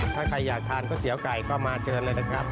ถ้าใครอยากทานก๋วยเตี๋ยวไก่ก็มาเชิญเลยนะครับ